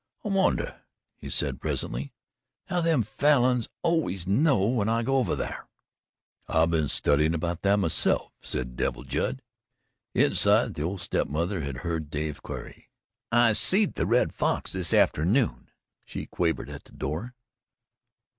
"I wonder," he said presently, "how them Falins always know when I go over thar." "I've been studyin' about that myself," said Devil Judd. Inside, the old step mother had heard Dave's query. "I seed the Red Fox this afternoon," she quavered at the door.